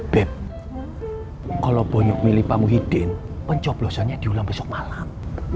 beb kalau bonyok milih pamuh hiden pencoplosannya diulang besok malam